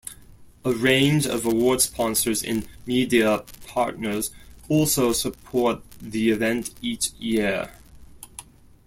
A range of award sponsors and media partners also support the event each year.